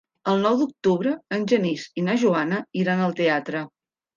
El nou d'octubre en Genís i na Joana iran al teatre.